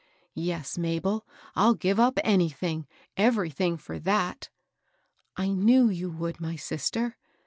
" Yes, Mabel, I'll give up anything — every thing for that.^^ " I knew you would, my sister."